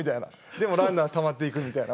でもランナーたまっていくみたいな。